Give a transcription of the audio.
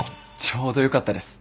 ちょうどよかったです。